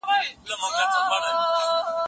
د څيړني په برخه کي خپلواکي ډېره مهمه ده.